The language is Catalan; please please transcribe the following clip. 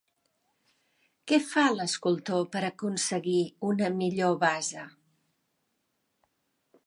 Què fa l'escultor per aconseguir una millor base?